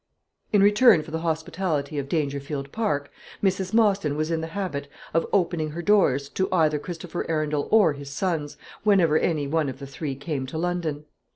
In return for the hospitality of Dangerfield Park, Mrs. Mostyn was in the habit of opening her doors to either Christopher Arundel or his sons, whenever any one of the three came to London.